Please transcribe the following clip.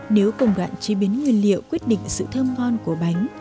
nếu công đoạn chế biến nguyên liệu quyết định sự thơm ngon của bánh